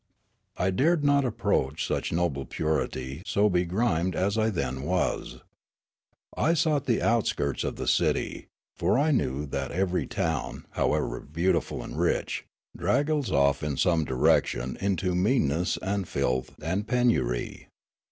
I dared not approach such noble purity so begrimed as I then was. I sought the outskirts of the city, for I knew that every town, however beautiful and rich, draggles off in some direction into meanness and filth and penury.